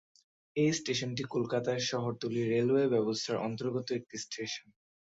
এই স্টেশনটি কলকাতা শহরতলি রেলওয়ে ব্যবস্থার অন্তর্গত একটি স্টেশন।